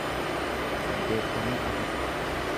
saddeettamii afur